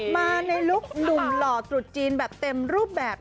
มาในลุคหนุ่มหล่อตรุษจีนแบบเต็มรูปแบบ